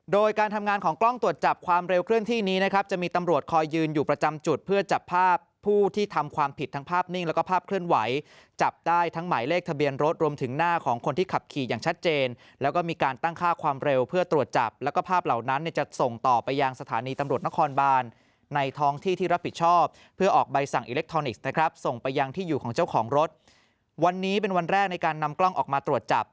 โดยการทำงานของกล้องตรวจจับความเร็วเคลื่อนที่นี้นะครับจะมีตำรวจคอยยืนอยู่ประจำจุดเพื่อจับภาพผู้ที่ทำความผิดทั้งภาพนิ่งแล้วก็ภาพเคลื่อนไหวจับได้ทั้งหมายเลขทะเบียนรถรวมถึงหน้าของคนที่ขับขี่อย่างชัดเจนแล้วก็มีการตั้งค่าความเร็วเพื่อตรวจจับแล้วก็ภาพเหล่านั้นจะส่งต่อไปยางสถานีตำรวจน